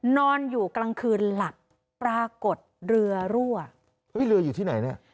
นอนอยู่กลางคืนหลับปรากฏเรือรั่วเฮ้ยเรืออยู่ที่ไหนเนี่ย